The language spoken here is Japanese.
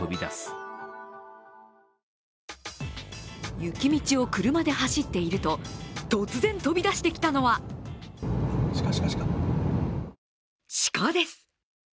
雪道を車で走っていると、突然飛び出してきたのはシカです。